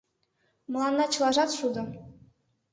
— Мыланна чылажат шудо.